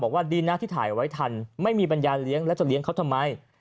บอกว่าดีนะที่ถ่ายไว้ทันไม่มีปัญญาเลี้ยงแล้วจะเลี้ยงเขาทำไม